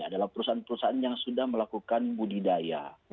adalah perusahaan perusahaan yang sudah melakukan budidaya